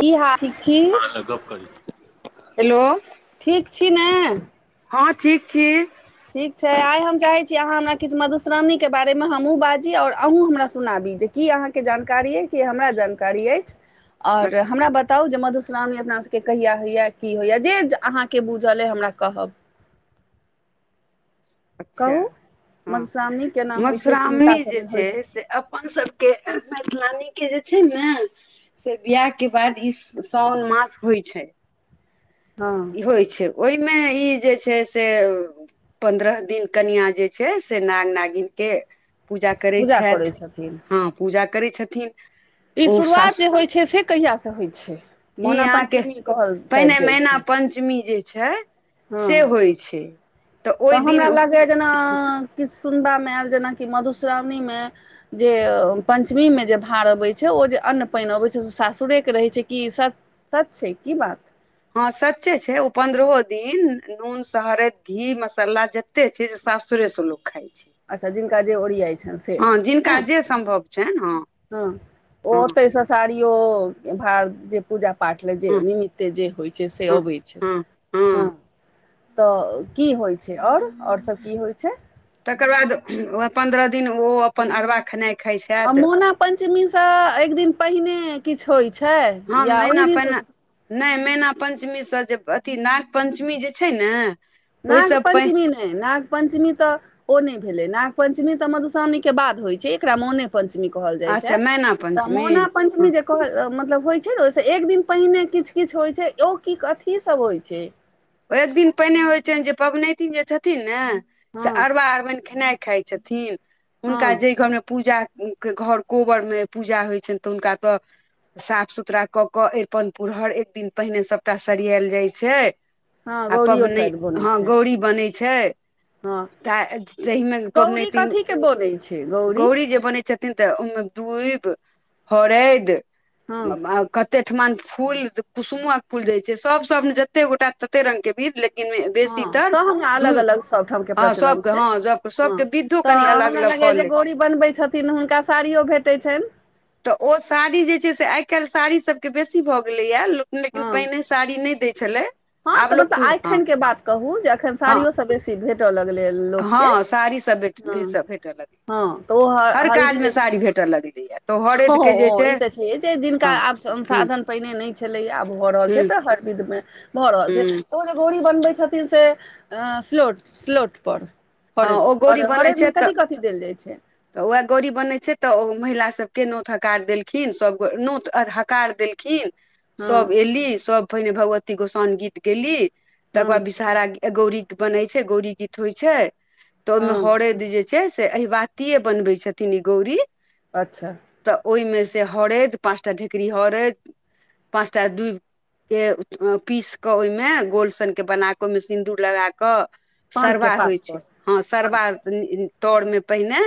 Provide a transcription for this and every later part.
की हाल ठीक छी हेलो ठीक छी ने। हँ, ठीक छी ठीक छै, आइ हम चाहै छी अहाँ हमरा किछु मधुश्रावणी के बारेमे हमहूँ बाजी और अहूँ हमरा सुनाबी जे की अहाँकेँ जानकारी अइ कि हमरा जानकारी अछि आओर हमरा बता तब जे मधुश्रावणी अपना सभके कहिया होइया की होइया जे अहाँकेँ बूझल अइ हमरा कहब अच्छा, कहू ह मधुश्रावणी केना होइ छै किनका मधुश्रावणी जे सभमे होइ छै से हम सभके नइ मिलानी के जे छै ने से बियाह के बाद ई साओन मास होइ छै हँ। ई होइ छै, ओइमे ई जे छै से पन्द्रह दिन कनिआँ जे छै से नाग नागिन के पूजा करै छथि ह पूजा करै छथिन ई ओ शुरुआत जे सासु होइ छै से कहियासे होइ छै ई मोना अहाँके पञ्चमी कहल पहिने साज जाइ मैना छै। पञ्चमी जे छै। ह, से होइ छै ओहि तऽ हमरा दिन लगैए जेना किछु सुनबा मे आयल जेनाकि मधुश्रावणी मे जे पञ्चमीमे जे भार अबैत छै ओ जे अन्न पानि अबैत छै से सासुरेके रहैत छै कि सच छै कि बात ह, सच्चे छै ओ पन्द्रहो दिन नून सहरद घी मसाला जत कते छै जे सासुरेसँ लोक खाइ छै अच्छा, जिनका जे ओरियाइ छनि सँ हँ ने जिनका जे सम्भव छनि हँ हँ आ हँ ओतै से सारियो भार जे पूजा पाठल जे हँ निमित्ते जे होइ छै से हँ अबै छै हँ ह। हँ तऽ कि होइ छै और और सभ कि होइ छै तकर बाद पन्द्रह दिन ओ अपन अरबा खेनाइ खाइ छथि मोना पञ्चमी सँ एक दिन पहिने किछु होइत छै हँ या मैना ओहि दिन से पहिने नहि मैना पञ्चमीसँ जे अथी नाग पञ्चमी जे छै ने नाग ओहिसँ पहि पञ्चमी। नाग पञ्चिम तऽ ओ नहि भेलै नाग पंचमी तऽ मधुश्रावणी के बाद होइ छै एकरा मोने पञ्चमी कहल जाइ छै, अच्छा मैना त पञ्चमी मोना ह पञ्चमी इ जे कह मतलब होइ छै ने ओइसे एक दिन पहिने किछु किछु होइ छै ओ की अथी सभ होइ छै ओ एक दिन पहिने होइ छनि जे पनैतिन जे छथिन ने हँ सँ अरबा अरबाइन खेनाइ खाय छै छथिन, हँ हुनका जे घर मे पूजा घर कोबरमे पूजा होइ छनि तऽ हुनका तऽ साफ सुथरा कऽ अरिपन पुरहर एक दिन पहिने सभटा सरियाल जाइ छै हँ आ गौड़ियो पबनि शायद बनै ह छै गौरी बनै छै। हँ त एहिमे गौरी पबनैतिन कथी के बनै छै गौरी जे बनै छै। छथिन तऽ ओहिमे हरद हँ तै ठमन फूल कुसुमक फूल रहै छैन सभ ने जते गोटा तते रंग के बिध ले हँ बेसी तर सब हमरा दू अलग अलग सभठाम के हँ प्रचलन सभके छै हँ सभ हँ सभके तऽ हमरा लगैयए जे गौरी बनबैत छथिन हुनका साड़ियो भेटैत छनि। तऽ ओ साड़ी जे छै से आइ काल्हि साड़ी सभके बेसी भऽ गेलैएा लोक लेकिन हँ पहिने साड़ी नहि दै छलै हँ आब तऽ लोक मतलब खुद हँ एखन के बात कहू जे अखन हँ साड़ियो सभ। बेसी भेटऽ लगलै लोक हैं। हँ साड़ी सब भेट भेटय लगलै हँ तऽ ओ हर हलदी काजमे जे साड़ी भेटय लगलैए तऽ हरैद के जे हँ, ई तऽ छै जे जिनका हँ आब हूँ संसाधन पहिने नहि छलै आब भऽ रहल छै हूँ तऽ हर विधमे। भऽ रहल हूँ छै त ओ जे गोरी बनबै छथिन से स्लोट स्लोट पर हँ हरद ओ गौरी बनै छै हरदमे तऽ कथी कथी देल जाइ छै तऽ उएह गौड़ी बनै छै तऽ ओ महिला सभके नोत हकार देलखिन सभ नोत अ हकार देलखिन खीर। हँ सभ एली सभ पहिने भगवती गोसानि गीत गेली तकर बाद हँ विषहारा गौरी कऽ बनै छै गौड़ी गीत होइ छै। तऽ ओइ मे हँ हरद जे छै से अहिबातिए बनबै छथिन ई गौरी। अच्छा। तऽ ओइमे से हरैद पाँचटा ढेकरी हरैद पाँचटा दूभ के पीसि कऽ ओहिमे गोल सनके बना कऽ ओहिमे सिन्दूर लगा कऽ। पानके सरबा होइ पात छै पर हँ, पान सरबा तर मे पहिने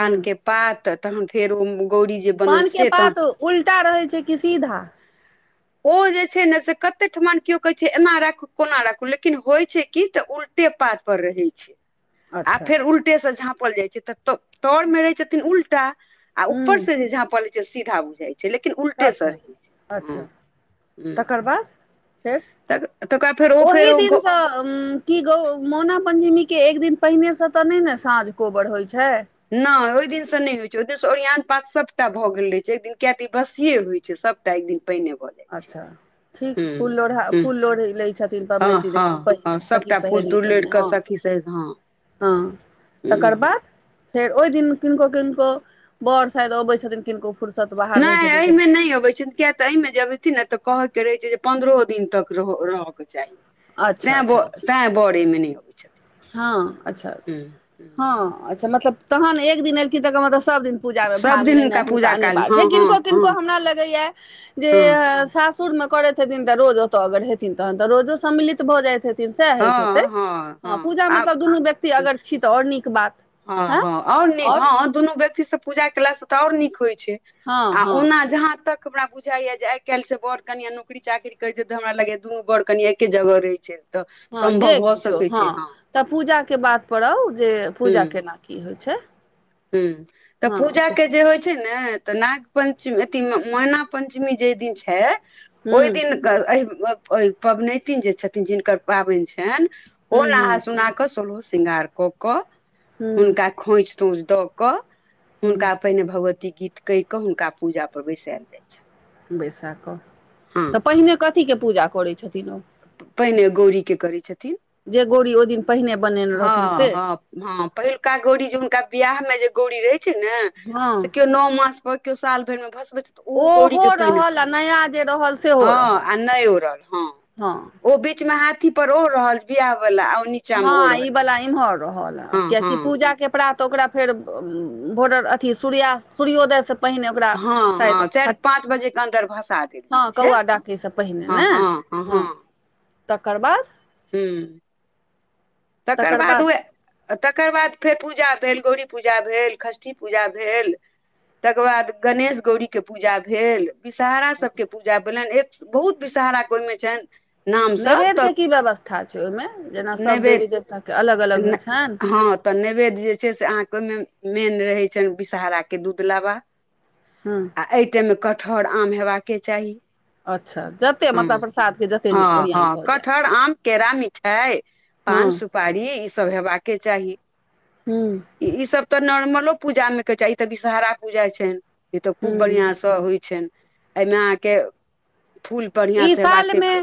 हँ पात, तहन फेर औ गौरी जे बनल पानके से तहन पात उल्टा रहै छै कि सीधा। ओ जे छै ने से कते ठमान केो कहै छै ए रखू कोना राखू लेकिन होइ छै कि तऽ उल्टे पात पर रहै छै आ अच्छा फेर उल्टेसे झाँपल जाइत छै त त तरमे रहै छथिन उल्टा आ हूँ ऊपरसँ जे झांपल रहै छै सीधा बुझाइ छै लेकिन उल्टे स अच्छा रहै छै हूँ अच्छा तकर बाद फेर त तकर बाद फेर ओ फेर ओहि ओ दिनसँ कि गौ मौना पञ्चमीके एक दिन पहिने सँ तऽ नहि ने साँझ कोबर होइ छै। नहि ओहि दिनसँ नहि होइत छै ओहि दिनसँ ओरियन पात सभटा भऽ गेल रहै छै एक दिन किया तऽ ई बसियए होइत छै सभ कत एक दिन पहिने अच्छा ठीक फूल लोढ़ा हूँ फूल लोढ़ी लै छथिन। तीन हँ पबनैतिन नहि देख हँ हँ पहिने सखी सभटा फूल सहेली तूल लोढ़ि संगे कऽ ह सखी सहित हँ ह तकर हूँ बाद फेर ओइ दिन किनको किनको वर शायद अबै छथिन किनको फुर्सत बाहर नै रहै छथिन तऽ अइमे नै अबै छै किया एहिमे जबथिन ने तऽ कहे के रहे छै जे पन्द्रहो दिन तक रहय के चाही अच्छा तै ब अच्छा अच्छा तै वरेमे नहि अबै छथि हँ, अच्छा हूँ हँ अच्छा मतलब तहन एक दिन एलखिन तऽ मतलब सभ दिन पूजामे सभ भाग दिन लेनाइ हुनका पूजा कालमे अनिवार्य हँ छै, हँ किनको किनको हँ हमरा लगैय जे सासुर मे करैत हेथिन तऽ रोज ओतय अगर हेथिन तहन तऽ रोजो सम्मिलित भऽ जाइत हेथिन सएह होइत हेतै हँ, हँ। पूजा आब मतलब दुनू व्यक्ति अगर छी तऽ आओर नीक बात हँ आओर नीक हँ दुनू व्यक्ति से पूजा केलासँ तऽ आओर नीक होइ छै हँ आ हँ ओना जहा तक हमरा बुझाइए आइ काल्हि के वर कनिया नु नकरी चाकरी करै छै, तऽ हमरा लगैय दुनू वर कनियाँ एके जगह रहे छै तऽ हँ जे सम्भव भ किछो सकै छै हँ तऽ पूजाके बात पउ जे पूजा केना कि होइ छै हू, तऽ पूजा के जे होइ छै छै ने तऽ नाग पञ्चमी अथी मैना पञ्चमी जे दिन छै ओहि हूँ दिन पबनैतिन जे छथिन जिनकर पाबनि छनि ओ हूँ हूँ नहान सोलहो शृंगार कऽ हूँ हुनका खोछ तोछ दऽ कऽ हुनका। हूँ पहिने भगवती गीत कहि कऽ हुनका पूजा पर बैसायएल जाइ छै बैसा कऽ तऽ हँ पहिने कथी के पूजा करैत छथिन ओ पहिने गौरी के करै छथिन। जे गोड़ी ओ दिन पहिने बने हँ हँ हँ पहिलुका गौड़ी जे हुनका बियाह मे जे गौरी रहे छै नऽ हँ से केओ नो मास पर केओ साल भरि मे भसबैत तऽ ओ गौरी ओहो पहिने रहल आ नया जे रहल सेहो हँ रहल आ नहि ओड़ल हँ हँ ओ बीच मे हाथी पर ओड़ रहल बिआह वाला आ नीचा मे ओ रहल बला इमर रहल हँ कियाकि पूजा हँ पूजाके प्रात ओकरा फेर भोर्डर अथी सुर्यआस्त सूर्योदय सँ पहिने ओकरा हँ शायद हँ चारि हट पाँच बजे के अन्दर भसा देल हँ कौआ डाकै सऽ पहिने नै अ हँ तकर बाद तकर बाद वैह आ तकर बाद फेर पूजा भेल गौरी पूजा भेल षष्ठी पूजा भेल तकर बाद गणेश गौरी केँ पूजा भेल विषहरा सब केँ अच्छा पूजा भेलनि एक बहुत विषहरा केँ ओहिमे छनि नामसभ नैवेद्य तऽ केँ की व्यवस्था छै ओहिमे जेना सब देवी देवता केँ अलग अलग होइ छनि नहि हँ तऽ नैवेद्य जे छै से अहाँकेँ ओहिमे मेन रहैत छनि विषहरा केँ दूध लाबा हूँ आ एहि टाइममे कठहर आम हेबाकेँ चाही अच्छा जतेक मतलब हुँ प्रसादके जतेक हँ ओरियान हँ भऽ जाय कठहर आम केरा मिठाइ हँ पान सु सुपारी ई सब हेबाकेँ चाही हूं ई सब तऽ नॉर्मलो पूजा मे कहे छै ई ते विषहारा पूजा छनि ई तऽ खूब हूं बढ़िया तऽ होइ छनि एहिमे अहाँकेँ फूल बढ़िया ई सेबाक छै सालमे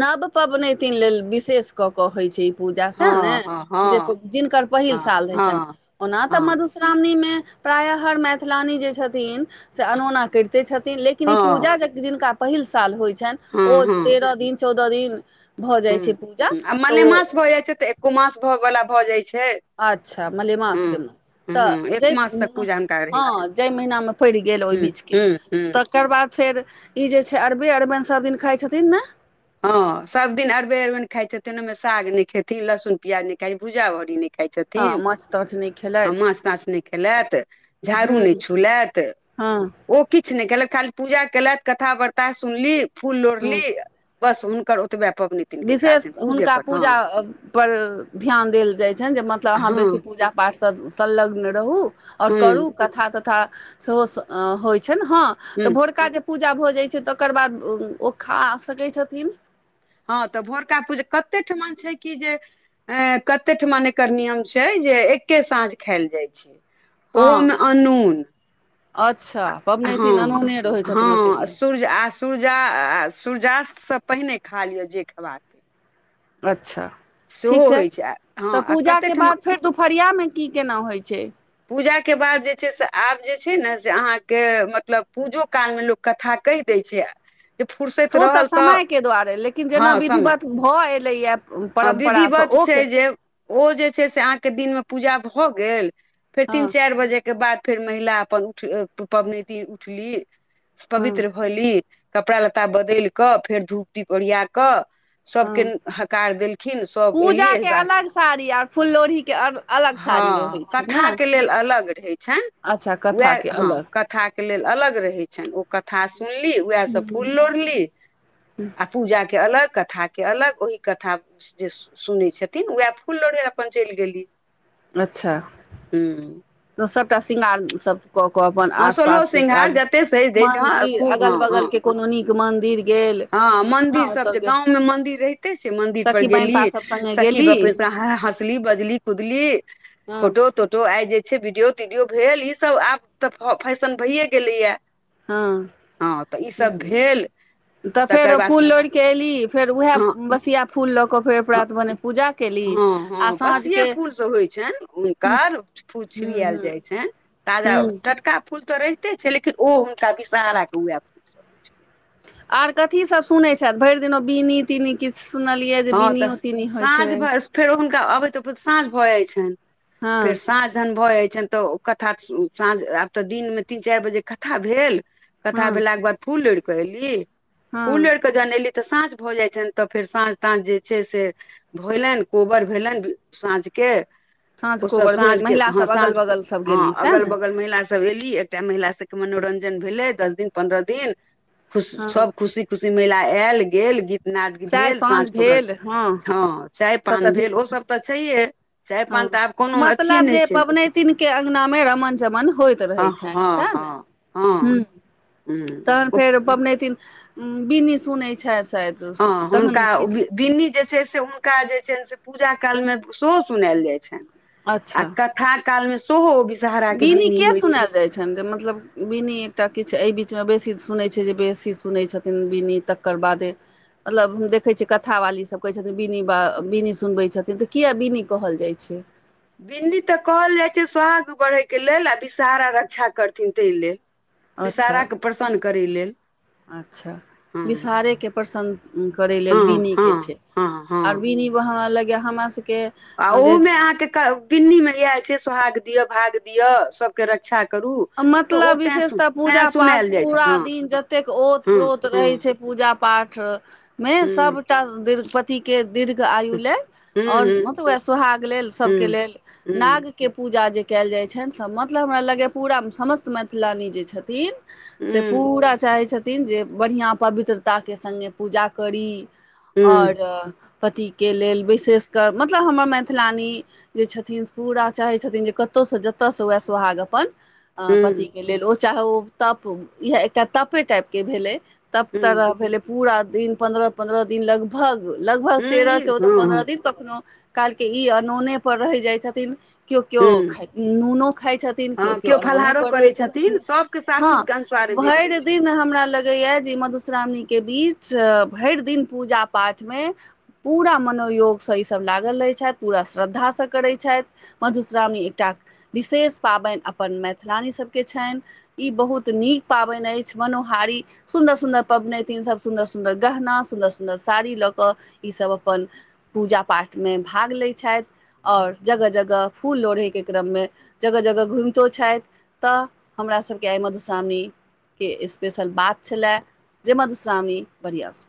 नव पबनैतिन लेल विशेष कऽ कऽ होइ छै ई पूजा सैह ने हँ हँ जे हँ [unintelligible] जिनकर पहिल हँ साल रहै छनि हँ ओना तऽ हँ मधुश्रावणीमे प्रायः हर मैथिलानी जे छथिन से अनौना करिते छथिन लेकिन ई हँ पूजा जे जिनका पहिल साल होइ छनि हँ ओ तेरह दिन चौदह दिन भऽ जाइ छै पूजा हुँ आ तऽ ओ मलेमास भऽ जाइ छै तऽ एको मास भ बला भऽ जाइ छै अच्छा मलेमास हँ केँ [unintelligible] हँ तऽ हँ एक जाहि मास तक पूजा हुनका रहै छनि हँ जाहि महीनामे पड़ि गेल ओहि हूँ बीचकेँ हूँ हूँ तकर बाद फेर ई जे छै अरबे अरुआनि सभ दिन खाय छथिन नऽ हँ सब दिन अरबे अरुअनि खाय छथिन ओमे साग ने खेती लहसुन प्याज नहि खाय भूजा भरी नइ खाइ हँ छथिन माछ ताछ नहि हँ खेलथि माँस ताछ नहि खेलैथ झाड़ू नहि हूँ छुलैथ हँ ओ किछ नहि केलक खाली पूजा केलथि कथा बिर्ता सुनली फूल लोढ़ली हँ बस हुनक ओतबै पबनी विशेष हुनका पूजा पर ध्यान देल जाइ छनि जे मतलब अहाँ हँ बेसी पूजा पाठसँ सलग्न रहू आओर हूँ करू कथा तथा सेहो होइ छैन हँ हूँ तऽ भोरका जे पूजा भऽ जाइ छै तकर बाद ओ खा सकै छथिन हँ तऽ भोरका पूजा कते ठमा छै कि जे ऐ कते ठुमन एकर नियम छै जे एके साँझ खायल जाय छै हँ ओहोमे अनून अच्छा पबनैतिन हँ, अनोने रहै छथिन ओतेक हँ, दिन सूर्य अस्त सूर्यास्तसँ पहिने खा लिआ जे खेबाक अइ अच्छा ठीक छै, होइ तऽ हँ आ पूजा कते के ठमा बाद फेर दुपरिया मे कि केना होइ छै पूजाके बाद जे छै से आब जे छै ने से अहाँकेँ मतलब पूजो कालमे लोक कथा कहि दै छै। जे फुर्सैत से तऽ रहल समय के दुआरे लेकिन जेना विधिवत भऽ एलैए आ परम्परासँ विधिवत छै ओके जे ओ जे छै से अहाँकेँ दिनमे पूजा भऽ गेल फेर तीन हँ चारि बजेके बाद फेर महिला अपन उठ पबनैतिन उठली हँ पवित्र। धली कपड़ा लत्ता बदलि कऽ फेर धूप दीप ओरिया क सभ हँ के हकार देलखिन सभ एयली एहि पूजाके बात अलग साड़ी आर फुललोढ़ीके अलग साड़ी ह, रहै छै ने कथाके लेलऽ अलग रहैत छनि अच्छा उएह कथाके हँ अलग कथा कथा के लेलऽ अलग रहै छनि ओ कथा सुनली उएहसँ फूल हूँ लोढ़ली आ पूजाके अलग कथा के अलग ओहि कथा जे सुनै छथिन, उएह फूल लोरे अपन चलि गेली। अच्छा। हूँ। तऽ सभटा शृंगार सभ कऽ अपन हँ आस सोलहो पास के सिंघार जते सजि धैज हँ मदिर खूब अगल बगल के कोनो नीक मंदिर ह, मंदिर सभ जे गाव मंदिर रहिते छै मंदिर पर सखी बहिनपा गेलिय सभ सङ्गे सखी गेली बपू हँसली बजली कुदली हँ फोटो तोटो आइ जे। वीडियो तीडियो भेल ई सभ आब तऽ फैशन भइए गेलै हँ हँ तऽ ई सभ भेल त फेर तकर ओ बाद फूल लोड़ि कऽ अयली फेर उएह हँ बसिया फूल लऽ कऽ फेर प्रात भने पूजा ह, केली ह आ बसिये साँझके फूलसँ होइ छनि ह हुनकर फूल छिड़ियाल ह जाइ छनि ह ताजा ह टटका फूल तऽ रहिते छै लेकिन ओ हुनका विषहाराके उएह। सभ आर कथी सभ सुनैत छथि भरि दिन ओ बिननी तीनी किछु सुनलियै जे हँ तऽ बिनियो तीनी होइत साँझ छै भ फेर हुनका अबैत अबैत साँझ भऽ जाय छनि फेर हँ साँझ जहन भऽ जाय छनि त कथा साँझ आब तऽ दिनमे तीन चारि बजे कथा भेल कथा हँ भेलाके बाद फूलोड़ के एऐली हँ फूल ओड़ के जहन एली तऽ साँझ भऽ जाय छ तब फेर साँझ तऽ जे छै से भेलनि कोबर भेलनि साँझके साँझ ओ सभ कोबर साँझ भेल के हँ महिलासभ अगल साँझ बगल सभ हँ गेली सएह अगल ने बगल महिला सभ एली एकटा महिला सभके मनोरंजन भेलै दस दिन पन्द्रह दिन खुश हँ सभ खुशी खुशी मेला आयल गेल गीत नाद चाय भेल पान साँझ भेल हँ ह, चाय पान भेल ओ सभ तऽ छैहे चाय ह, पान तऽ आब कोनो अथिए मतलब नहि जे छै पबनैतिनके अगनामे रमन चमन होइत रहैत छ सएह ने ह, तहन ह। फेर पबनैतिन बिनी सुनैत छथि हँ हुनका तहन किछु। बिन्नी जे छै से हुनका जे छनि से पूजा कालमे सेहो सुनायल जाय छनि। आ अच्छा कथा कालमे सेहो विषहरा के बीनी बिनी किया होइ छै सुनायल जाइ छनि जे मतलब बिनी एकटा किछु एहि बीचमे बेसी सुनै छै, जे बेसी सुनै छथिन बिनी तक ओकर बाद। मतलब हम देखै छियै कथा वाली सभ कहै छथिन बिनी बा बिनी सुनबै छथिन तऽ किए बिनी कहल जाइ छै बिन्नी तऽ कहल जाइ छै सोहाग बढ़य के लेलऽ आ विषहारा रक्षा करथिन तै लेल अच्छा विषाहारा के प्रसन्न करय लेलऽ अच्छा विषहारेके प्रसन्न करै लेलऽ हँ हँ बिनीके छै हँ आर हँ बिनि हम लगय हमरा सभके आ जे ओहुमे अहाँकेँ बिन्नी मे इएह छै सोहाग दियअ भाग दियअ सभके रक्षा करू तऽ ओ मतलब तें सुन विशेषत तें पूजा पाठ सुनायल जाइ छै पूरा हँ दिन जतेक औत हँ प्रोत रहै हँ छै। पूजा पाठमे हूँ सभटा दीति के दीर्घ आयु हूँ लेलऽ हूँ और हूँ मतलब सोहाग लेल सभके हूँ लेलऽ हूँ नाग के पूजा जे कयल जाइ छनि सभ मतलब हमरा लगै पूरा मे समस्त मैथिलानी जे छथिन से पूरा चाहैत छथिन जे बढ़िआ पवित्रताके संघे पूजा करी हूँ और पतिके लेलऽ विशेषकर मतलब हमर मैथिलानी जे छथिन पूरा चाहै छथिन जे कतौय सँ जतयसँ उएह सोहाग अपन हूँ पतिके लेलऽ ओ चाहे ओ तप इएह एकटा तपे टाइपके भेलै तब हूँ तरह भेलै पूरा दिन पन्द्रह, पन्द्रह दिन लग भग, लगभग हूँ तेरह ई चौदह हँ पन्द्रह हँ दिन कखनो काल के ई अनोने पर रहिए जाइ छथिन केओ केओ हूँ खाइ नूनो खाय छथिन केओ। हँ ने फलाहारो करै छथिन सभके ह सासुरके अनुस्वार विध भरि होइ छै दिन दिन हमरा लगैया जे मधुश्रावणी के बीच भरि दिन पूजा पाठमे पूरा मनोयोगसँ ईस भऽ लागल रहै छथि पूरा श्रद्धासँ करै छथि मधुश्रावणी एकटा विशेष पाबनि अपन मैथिलानी सभके छनि ई बहुत नीक पाबनि अछि मनोहारी सुन्दर सुन्दर पबनैतिन सभ सुन्दर सुन्दर गहना सुन्दर सुन्दर साड़ी लऽ कऽ ईसभ अपन पूजा पाठमे भाग लै छैथ। और जगह जगह फूल लोढ़े के क्रम मे जगह जगह घुम छथि तऽ हमरा सभके आइ मधुश्रावणी के स्पेशल बात छले जे मधुश्रावणी वरियासँ